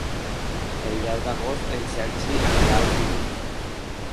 El deu d'agost en Sergi anirà al cinema.